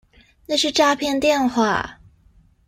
那是詐騙電話